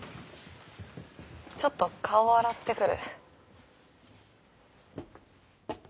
ちょっと顔を洗ってくる。